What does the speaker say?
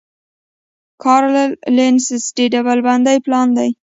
کارل لینس د ډلبندۍ پلار دی